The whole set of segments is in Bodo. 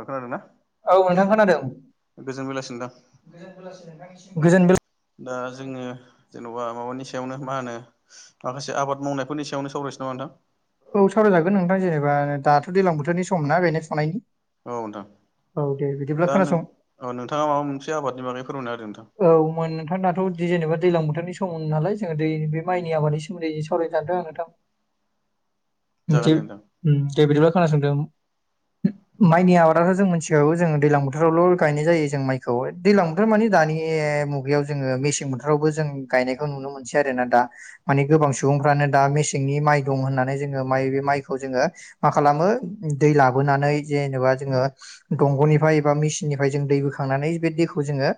खोनादों ना औ गोजोन बेलासि नोंथां दा जोंङो जेन'बा माबानि सायावनो मा होनो माखासे आबाद मावनायफोरनि सायावनो सावरायसै नामा नोंथां औ सावरायजागोन नोंथां जेनेबा दाथ' दैज्लां बोथोरनि सम ना गायनाय फुनायनि औ नोंथां। दा औ नोंथाङा माबा मोनसे आबादनि बागै फोरमायनानै होदो नोंथां। बे जेनेबा दैज्लां बोथोरनि सम नालाय जोङो दै बे माइनि आबादनि सोमोन्दै सावरायनो सानदों आं नोंथां। दे बिदिब्ला खोनासंदो। माइनि आबादाथ' जों मिथिखागौ जों दैज्लां बोथोरावल' गायनाय जायो जों माइखौ। दैज्लां बोथोर मानि दानि मुगायाव जोङो मेसें बोथोरावबो जों गायनायखौ नुनो मोनसै आरो ना दा। मानि गोबां सुबुंफ्रानो दा मेसेंनि माइ दं होननानै जोङो माइ माइखौ जोङो मा खालामो दै लाबोनानै जेनेबा जोङो दंग'निफ्राय एबा मेसिननिफ्राय जों दै बोखांनानै बे दैखौ जोंङो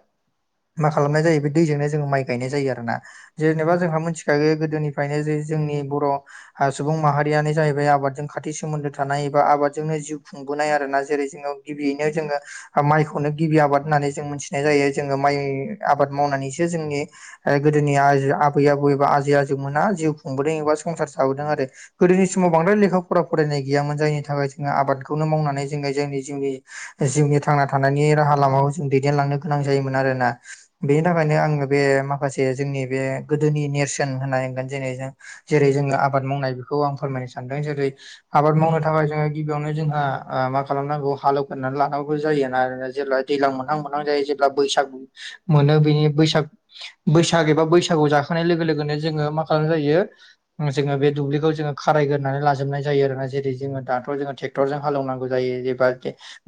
मा खालामनाय जायो बे दैजोंनो जों माइ गायनाय जायो आरोना जेनेबा जोंहा मिथिखायो गोदोनिफ्राय नो जे जोंनि बर' सुबुं माहारि माहारियानो जाहैबाय आबादजों खाथि सोमोन्दो थानाय एबा आबादजोंनो जिउ खुंबोनाय आरोना जेरै जोंङो गिबियैनो जोङो माइखौनो गिबि आबाद होननानै जों मोनथिनाय जायो जोङो माइ आबाद मावनानैसो जोंनि गोदोनि आ आबै आबौ बा आजै आजौ मोना जिउ हमबोदों एबा संसार जाबोदों आरो गोदोनि समाव बांद्राय लेखा फरा फरायनाय गैयामोन जायनि थाखाय जोङो आबादखौनो मावनानै जोङो जोंनि जिउनि जिउनि थांना थानायनि राहा लामाखौ जों दैदेनलांनो गोनां जायोमोन आरोना। बेनि थाखायनो आङो बे माखासे जोंनि बे गोदोनि नेरसोन होननांगोन जेरै जों जेरै जोङो आबाद मावनाय बेखौ फोरमायनो सानदों जेरै आबाद मावनो थाखाय जों गिबियावनो जोंहा ओ मा खालामनांगौ हाल फोरनानै लानांगौ जायो आरोना जेब्ला दैज्लां मोनहां मोनहां जायो जेब्ला बैसाग मोनो बेनि बैसाग बैसाग एबा बैसागु जाखोनाय लोगो लोगोनो जोङो मा खालामनाय जायो जोङो बे दुब्लिखौ जोङो खारायग्रोनानै लाजोबनाय जायो आरोना जेरै जोङो दाथ' जोङो ट्रेक्टरजों हालेवनांगौ जायो जेनबा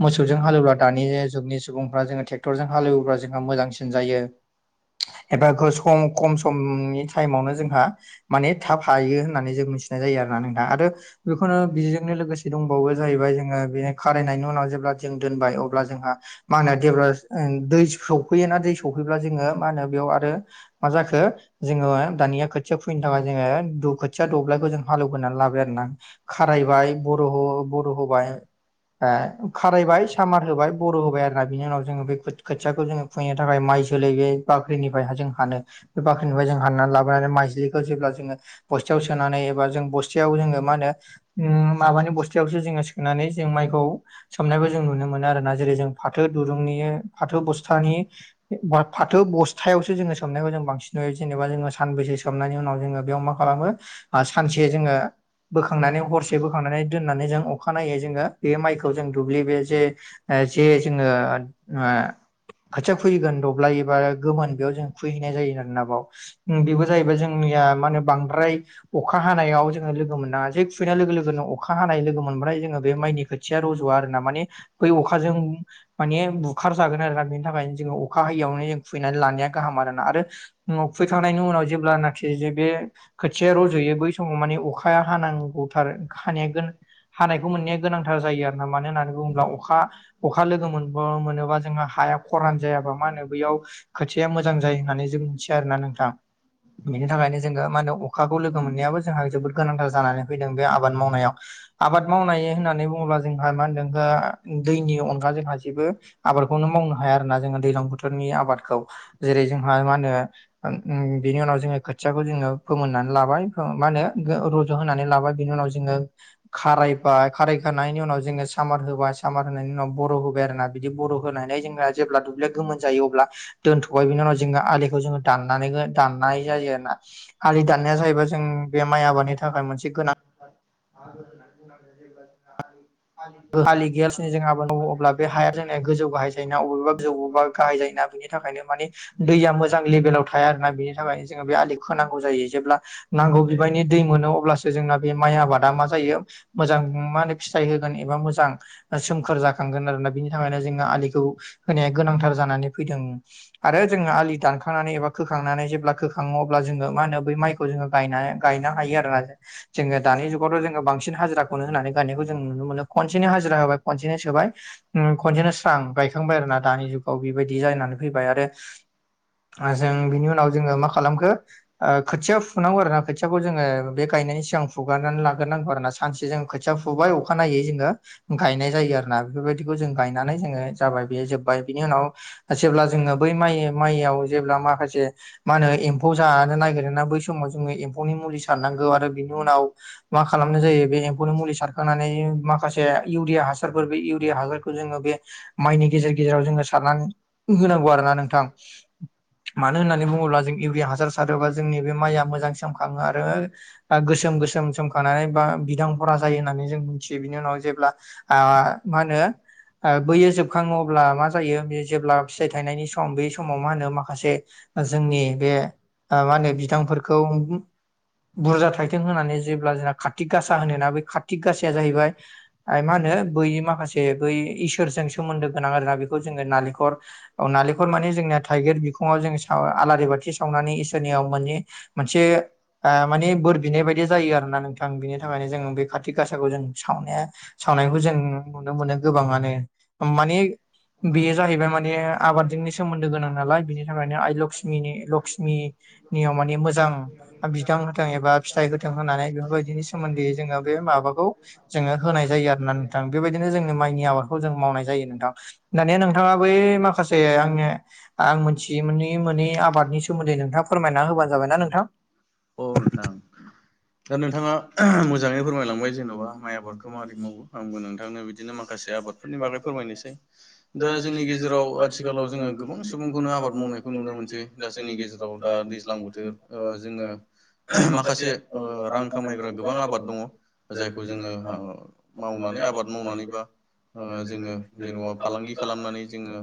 मोसौजों हालेवोला दानि जुगनि सुबुंफ्रा जोङो ट्रेक्टरजों हालेवोब्ला जोंहा मोजांसिन जायो। एबा सम खम समनि टाइमावनो जोंहा माने थाब हायो होननानै जों मिथिनाय जायो। जायो आरोना नोंथां आरो बेखौनो बेजोंनो लोगोसे दंबावो जाहैबाय जोंहा खालामनायनि उनाव जेब्ला जों दोनबाय अब्ला जोंहा मा होनो जेब्ला दै सफैयोना दै सफैब्ला जोङो मा होनो बेयाव आरो मा जाखो जोङो दानिया खोथिया खुबैनो थाखाय जोङो खोथिया दब्लायखौ जों हालौवगोनानै लाबाय आरो ना खारायबाय बर' बर' होबाय ओ बारायबाय सामार होबाय बर' होबाय आरोना बिनि उनाव जोङो बे खोथियाखौ जोङो खुनो थाखाय माइ जोलैयै बाख्रिनिफ्रायहाय जों हानो बे बाख्रिनिफ्राय जों हाननानै लाबोनानै माइज्लिखौ जेब्ला जोङो बस्थायाव सोनानै बा जों बस्थायाव मा होनो उम माबानि बस्थायावसो जोङो सोनानै जों माइखौ सोमनायखौ जों नुनो मोनो आरोना जेरै जों फाथो दुरुंनि फाथो बस्थानि फाथो बस्थायावसो जोङो सोमनायखौ जों बांसिन नुयो जेनेबा जोङो सानबैसो सोमनायनि उनाव जोङो बेयाव मा खालामो सानसे जोङो बोखांनानै हरसे बोखांनानै दोननानै जों अखानायनायै जों बे माइखौ जों दुब्लि बे जे जे जोङो ओ खाोथिया खुैगोन दब्लाय बा गोमोन बेयाव जों खुैहैनाय जायो आरोना बाव बेबो जाहैबाय जोंनिया बांद्राय अखा हानायाव जोङो लोगो मोनाङा जे खुबैनाय लोगो लोगोनो अखा हानाय लोगो मोन ओमफ्राय जोङो बे माइनि खोथिया रज'या आरो ना माने बै अखाजों माने बुखार जागोन आरो बिनि थाखायनो जोङो अखा होयैयावनो जों खुइनानै लानाया गाहाम आरोना आरो खुइखांनायनि उनाव जेब्लानाखि जे बे खोथिया रज रज'यो बै समाव माने अखाया हानांगौथार हानांगोन। हानायखौ मोननाया गोनांथार जायो आरो ना मानो होननानै बुङोब्ला अखा अखा लोगो मोन मोनोबा जोंहा हाया खरान जायाबा मा होनो बैयाव खोथिया मोजां जायो होननानै जों मिथियो आरोना नोंथां बेनि थाखायनो जोङो मा होनो अखा लोगोमोनायाबो जों जोबोर गोनांथार जानानै फैदों बे आबाद मावनायाव आबाद मावनाय होननानै बुङोबा जोंहा मा होनदों दैनि अनगा जोंहा जेबो आबादखौनो मावनो हाया आरोना जोङो दैजलां बोथोरनि आबादखौ जेरै जोंहा मा होनो बिनि उनाव जोङो खोथियाखौ जोङो फोमोननानै लाबाय मा होनो रज' होनानै लाबाय बिनि उनाव जोङो। खारायबाय खारायखानायनि उनाव जोङो। सामार होबाय सामार होनायनि उनाव बर' होबाय आरो ना बिदि बर' होनानै जोंना जेब्ला दुब्लिया गोमोन जायो अब्ला दोनथ'बाय बिनि उनाव जोङो आलिखौ जोङो दाननानै दाननाय जायो आरोना आलि द [unintelligible] बे माइ आबादनि थाखाय मोनसे गोनां [inaudible] आलि गैयालासेनो जों आबाद दंग अब्ला बे हाया जोंना गोजौ गाहाय जायोना बेबो गोजौबा गाहाय जायोना बिनि नि थाखायनो मानि दैया मोजां लेभेलाव थाया आरोना बेनि थाखायनो जोङो बे आलि खोनांगौ जायो जेब्ला नांगौ बिबांनि दै मोनो अब्लासो जोंना बे माइ आबादा मा जायो मोजां फिथाइ होगोन। एबा मोजां सोमखोर जाखांगोन आरोना बिनि थाखायनो जोङो आलिखौ होनाया गोनांथार जानानै फैदों। आरो जोङो आलि दानखांनानै एबा खोखांनानै जेब्ला खोखाङो अब्ला जोङो मा होनो बै माइ जोङो गायनो हायो आरोना जोङो दानि जुगावथ' जोङो बांसिन हाजिराखौनो होनानै गायनायखौ जों ननो मोनो खनसेनो हाजिरा होबाय खनसेनो सोबाय खनसेनो स्रां गायखांबाय आरो ना दानि जुाव‌। औ बेबायदि जानानै फैबाय आरो। जों बिनि उनाव जोङो मा खालामखो खोथिया फुनांगौ आरोना खोथियाखौ जोङो बे गायनायनि सिगां फुगारनानै लाग्रोनांगौ आरो ना सानसे जोङो खोथिया फुबाय अखानायनायै जोङो। गायनाय जायो आरोना बेफोरबायदिखौ जों गायनानै जोङो जाबाय बे जोब्बाय बिनि उनाव जेब्ला जोङो बै माइ माइयाव जेब्ला माखासे मा होनो एम्फौ जानो नागिरोन ना बैस बेसमाव जोङो एम्फौनि मुलि सारनांगौ आरो बिनि उनाव मा खालामनाय जायो बे एम्फौनि मुलि सारखांनानै [inaudible] माखासे इउरिया हासारफोर बे इउरिया हासारखौ जोङो बे माइनि गेजेर गेजेराव जोङो सारनानै। होनांगौ आरो ना नोंथां। मानो होननानै बुङोब्ला जों इउरिया हासार सारोबा जोंनि बे माइया मोजांसिम खाङो आरो। बा गोसोम गोसोम सोमखानानै बा बिदां फरा जायो होननानै जों बिनि उनाव जेब्ला मा होनो ओ बोयो जोबखाङो अब्ला मा जायो जेब्ला फिथाइ थायनायनि सम बे समाव मा होनो माखासे जोंनि बे मा होनो बिदांफोरखौ बुरजा थाइथें होनानै जेब्ला जोंना कार्तक गासा होन ना बे कार्तक गााया जाहैबाय मा होनो बै माखासे बै इसोरजों सोमोन्दो गोनां आरोना बेखौ जोङो नालेंखर औ नालेंखर माने जोंना थाइगिर बिखङाव जों आलारि बाथि सावनानै इसोरनियाव माने मोनसे माने बोर बिनाय बायदि जायो आरोना नोंथां बिनि थाखायनो जों बे कारतिक गासाखौ जों सावनायखौ जों नुनो मोनो गोबाङानो मानिे बेयो जाहैबाय माने आबादजोंनि सोमोन्दो गोनां नालाय बिनि थाखायनो आइ लक्ष्मिनि नियाव मानिे मोजां बिदां होदों एबा फिथाइ होथदों होननानै बेफोरबायदिनो सोमोन्दै जों बे माबाखौ जोङो होनाय जायो आरोना नोंथां बेबायदिनो जोंनि माइनि आबादखौ जों मावनाय जायो। नोंथां दानिया नोंथाङा बै माखासे आं मोनथि मोनै आबादनि सोमोन्दै नोंथा फोरमायना होबानोाबाय ना नोंथां? औ नोंथां। दा नोंथाङा मोजाङै फोरमायलांबाय जे जेन'बा माइ आबादखौ मारि मावो आंबो नोंथांनो बिदिनो माखासे आबादफोरनि बागै फोरमायनोसै दा जोंनि गेजेराव आथिखालाव जोङो गोबां सुबुंखौनो आबाद मावनायखौ नुनो मोनसै दा जोंनि गेजेराव दा दैज्लां बोथोर ओ जोङो। माखासे रां खामायग्रा गोबां आबाद दङ'। जायखौ जोङो मावनानै आबाद मावनानै बा ओ जोङो जेन'बा फालांगि खालामनानै जोङो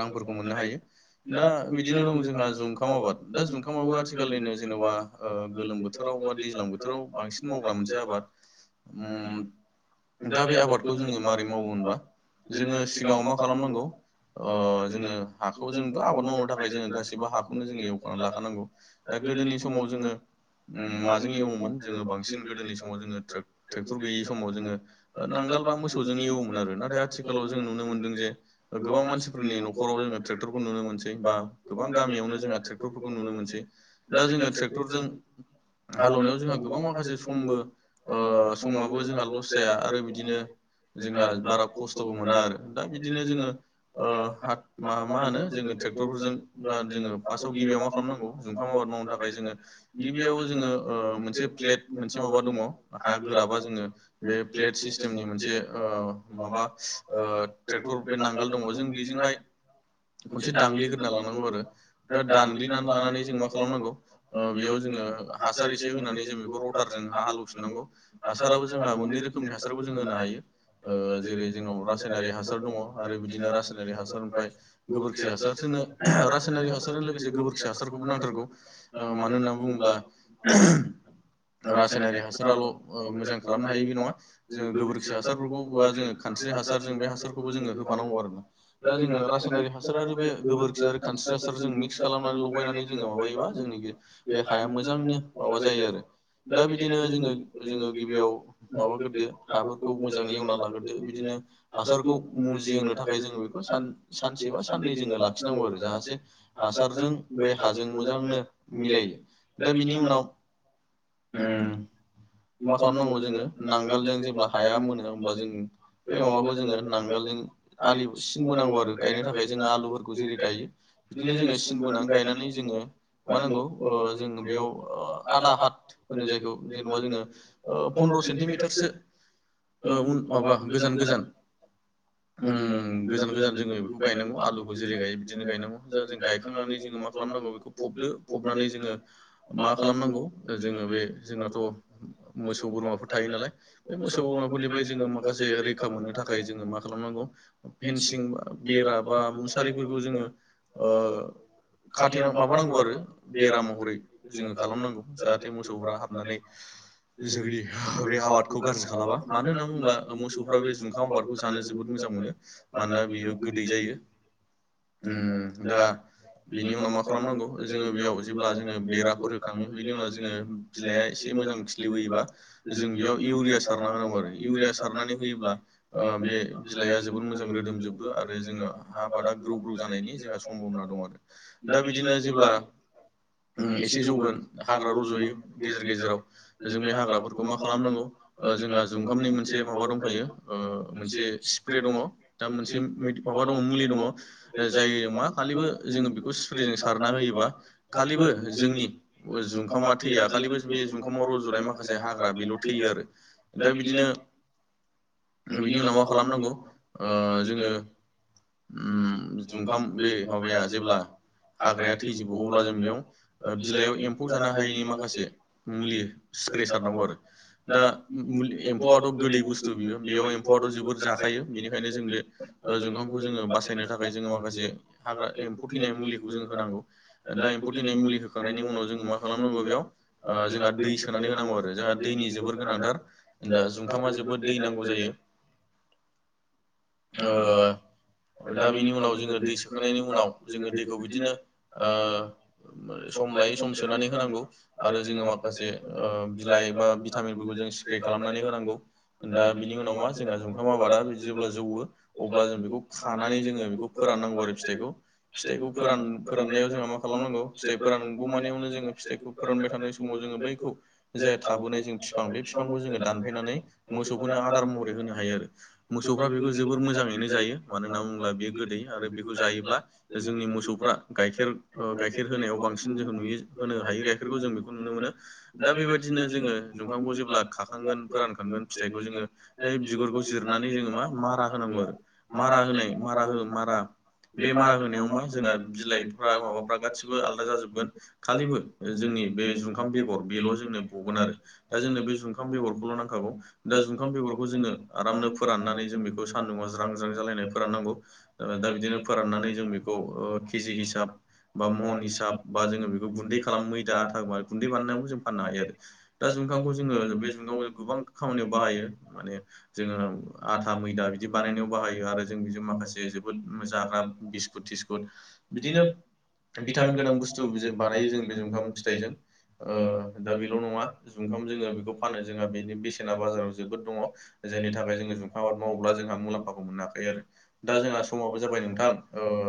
रांफोरखौ मोननो हायो दा बिदिनो दं जोंहा [unintelligible] जुखाम आबाद दा जुखामाबो आथिखालनिनो जेनेबा गोलोम बोथोराव बा दैज्लां बोथोराव बांसिन मावग्रा मोनसे आबाद ओ दा बे आबादखौ जोङो माबारोरै मावो होनबा जोङो सिगाङाव मा खालामनांगौ जोङो हाखौ जोंथ' आबाद मावनो थाखाय जोङो गाैबो हाखौनो जोङो एवखनानै लाखानांगौ दा गोदोनि समाव जोङो माजों एवोमोन जोङो बांसिन गोदोनि समाव जोङो ट्रेक्टर गैयै समाव जोङो नांगालबा मोौजों एवोमोन आरो नाथाय थिग आथिखालाव जोंङो नुनो मोनदों जे गोबां मानसिफोरनि नखराव जोङो ट्रेक्टरखौ नुनो मोनसै बा गोबां गामियावनो जोंहा ट्रेक्टरफोरखौ नुनो मोनसै दा जोङो ट्रेक्टरजों हालेवनायाव जोंहा गोबां माखासे समबो समाबो जोंहा लस जाया आरो बिदिनो जोंहा बारा खस्थ' [unintelligible] मोना आरो दा बिदिनो जोङो मा होनो जोङो ट्रेक्टरफोरजों बा जोङो फार्स्टआव गिबियाव मा खालामनांगौ जुखाम आबाद मावनो थाखाय जोङो गिबियाव जोङो मोनसे फ्लेट मोनसे माबा दङ' हाया गोराबा जोङो बे फ्लेट सिस्टेमनि मोनसे माबा [unintelligible] खनसे दानग्लिग्रोना लानांगौ आरो दा दानग्लिनानै लानानै जों मा खालामनांगौ बेयाव जोङो हासार एसे होनानै जों बेखौ रटारजों हालौ नंगौ हासाराबो जोंना मोनै रोखोमनि हासारखौ जों हानो हायो जेरै, जोंनाव रासायनारि हासार दङ' आरो बिदिनो रासायनारि हासार ओमफ्राय गोबोरखि हासार रासायनारिक हासारजों लोगोसे गोबोरखि हासारखौबो नांथारगौ मानो होनना बुङोब्ला रासायनारि औ हाथाबो मोजां खालामनो हायिनि नङा जोो गोबोरखियााथार [inaudible] [inaudible] दा बिदिनो जोंओ जोंओ गिबियाव माबागोरदो आरो गुबुनजों [inaudible] लागोरदो। जैदिनो हासारखौ नजि होनो थाखाय जोङ सानसे ब सानदि जोङो लांफिनांगौ आरो जाहाथे हाज ब हाज हज मल ज ओं। मा खालामनांगौ जोङो नांगोलजों जेब्ला हाया मोनो होमब्ला जों बै माबाखौ जोङो नांगोलजों आलि सिन बोनांगौ आरो गायनो थाखाय जोङो आलुफोरखौ जेरै गायो बिदिनो जोङो सिन बोनानै गायनानै जोङो मा नांगौ जों बेयाव आदा हाथ होनो जायखौ जेनेबा जोङो पन्द्र' सेन्टिमिटारसो उन माबा गोजान गोजान। ओ गोजान गोजान जोङो बेखौ गायनांगौ आलुखौ जेरै गायो बिदिनो गायनांगौ जा जों गायखांनानै जोङो मा खालामनांगौ बेखौ फबदो फबनानै जोङो मा खालामनांगौ जोङो बे जोंनाथ' मोसौ बोरमाफोर थायो नालाय बे मोसौ बोरमाफोरनिफ्राय जोङो माखासे रैखा मोननो थाखाय जोङो मा खालामनांगौ फेनसिं बेरा बा मुसारिफोरखौ जोङो ओ खाथना माबानांगौ आरो बेरा महरै जोङो खालामनांगौ जाहाथे मोसौफोरा हाबनानै [unintelligible] जोंनि बे आबादखौ गाज्रि खालामा मानो होनना बुङोब्ला मोसौफ्रा बे जुखाम आबादखौ जानो जोबोद मोजां मोनो। मानोना बियो गोदै जायो। द बिनि उनाव मा खालामनांगौ जोङो बेयाव जेब्ला जोङो बेराफोर होखाङो बेनि उनाव जोङो बिलाइआ एसे एसे मोजां खिलिबोयोबा जों बेयाव इउरिया सारना होनांगौ आरो इउरिया सारनानै होयोब्ला ओ बे बिलाइआ जोबोर मोजां रोदोमजोबो आरो जोङो हा बादा ग्रौ ग्रौ जानायनि जोंहा सम्भबना दं आरो। दा बिदिनो जेब्ला एसे जौगोन हाग्रा रज'यो गेजेर गेजेराव जों बे हाग्राफोरखौ मा खालामनांगौ जोंहा जुमखामनि मोनसे माबा दंखायो ओ मोनसे स्प्रे दङ दा मोनसे माबा दङ मुलि दङ जाय मा खालिबो जोङो बेखौ स्प्रेजों सारना होयोबा खालिबो जोंनि जुखामा थैया खालिबो बे जुम समाव रुजुनाय माखासे हाग्रा बेल' थैयो आरो दा बिदिनो बिनि उनाव मा खालामनांगौ ओ जोङो ओम जुंखाम बे माबाया जेब्ला हाग्राया थैजोबो अब्ला जों बेयाव बिलाइयाव एम्फौ जानो हायैनि माखासे मुलि स्प्रे सारनांगौ आरो दा एम्फौआथ' गोदै बुस्थु बियो बेयाव एम्फुवआथ' जोबोर जाखायो बेनिखायनो जों बे ओ जखामखौ जोङो बासायनो थाखाय जोङो माखासे हाग्रा एम्फौ थैनाय मुलिखौ जों होनांगौ दा एम्फौ थैनाय मुलि होखांनायनि उनाव जोङो मा खालामनांगौ बेयाव ओ जोंहा दै सोनानै होनांगौ आरो जोंहा दैनि जोबोर गोनांथार दा जुमखामा जोबोद दै नांगौ जायो। [inaudible] ओ ओ दा बिनि उनाव जोङो दै सोखांनायनि उनाव जोङो दैखौ बिदिनो ओ ओ सम लायै सम सोनानै होनांगौ। आरो जोङो माखासे ओ बिलाइ बा भिटामिनफोरखौ जों सिप्रे खालामनानै होनांगौ। दा बिनि उनाव मा जोंहा जुमखाम आबादा [unintelligible] जेब्ला जौवो अब्ला जों बेखौ खानानै जोङो बेखौ फोराननांगौ आरो फिथाइखौ फिथाइखौ फोरान फोराननायाव जोंहा मा खालामनांगौ फिथाइ फोरानगौ मानायावनो जोङो फिथाइखौ फोरानबाय थानाय समाव जोङो बैखौ जे थाबोनाय जों फिफां बे बिफांखौ जोङो दानफायनानै मोसौखौनो आदार महरै होनो हायो आरो मोसौफ्रा बेखौ जोबोर मोजाङैनो जायो मानो होनना बुङोब्ला बेयो गोदै आरो बे जायोब्ला जोंनि मोसौफ्रा गाइखेर ओ गाइखेर होनायाव बांसिन जोंहो नुयो होनो हायो गा गफोरखौ जों बेखौ नुनो मोनो दा बेबायदिनो जोङो जंखांखौ जेब्ला खाखांगोन फोरानखांगोन फिथाइखौ जोङो बे बिगुरखौ जिरनानै जोङो मा मारा होनांगौ आरो मारा होनाय मारा हो मारा बेमारा होनायाव मा जोंना बिलाइफ्रा माबाफ्रा गासिबो आलादा जाजोबगोन खालिबो ओ जोंनि बे जुमखाम बेगर बेल' जोंनो बगोन आरो दा जोंनो बे जुखाम बेगरखौल' नांखागौ। दा जुमखाम बेगरखौ जोङो आरामनो फोराननानै जों बेखौ सान्दुङाव ज्रां ज्रां जालायनाय फोरान नांगौ। ओ दा बिदिनो फोराननानै जों बेखौ ओ‌ केजि हिसाब बा मह'न हिसाब बा जोङो बेखौ गुन्दै खा खालाम मैदा आथा बा गुन्दै बानायनायावबो जों फाननो हायो आरो। दा जुमखामखौ जोङो बे जुमखामखौ जों गोबां खामानियाव बाहायो। माने जोङो आथा मैदा बिदि बानायनायाव बाहायो आरो, जों बेजों माखासे जोबोद उम जाग्रा बिस्कुट थिसकुट बिदिनो भिटामिन गोनां बुस्थु जों बानायो। जों बि जुमखाम फिथाइजों ओ दा बेल' नङा जुमखाम जोङो बेखौ फानो जोंहा बेनि बेसेना बाजाराव जोबोद दङ। जायनि थाखाय जोङो जुमखाम आबाद मावोब्ला जोंहा मुलाम्फाखौ मोनाखै आरो। दा जोंहा समाबो जाबाय नोंथां, ओ